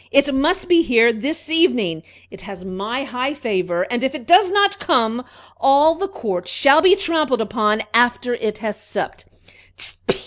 It must be here this evening! It has my high favor; and if it does not come, all the court shall be trampled upon after it has supped!"